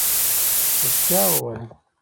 رښتيا ووايه.